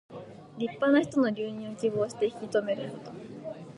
立派な人の留任を希望して引き留めること。